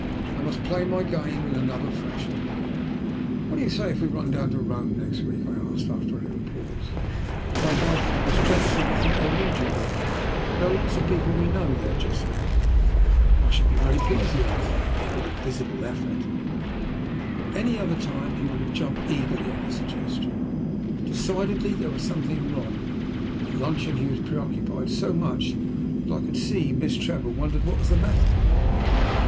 I must play my game in another fashion. "What do you say if we run down to Rome next week?" I asked, after a little pause. "My wife and Miss Trevor seem to think they would enjoy it. There are lots of people we know there just now." "I shall be very pleased," he answered, but with a visible effort. At any other time he would have jumped eagerly at the suggestion. Decidedly there was something wrong! At luncheon he was preoccupied, so much so that I could see Miss Trevor wondered what was the matter.